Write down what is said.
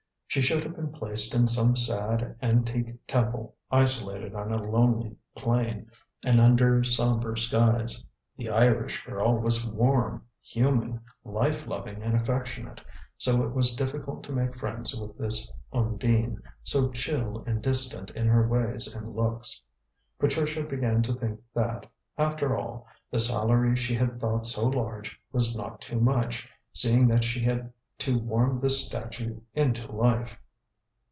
She should have been placed in some sad, antique temple, isolated on a lonely plain, and under sombre skies. The Irish girl was warm, human, life loving and affectionate, so it was difficult to make friends with this Undine, so chill and distant in her ways and looks. Patricia began to think that, after all, the salary she had thought so large was not too much, seeing that she had to warm this statue into life.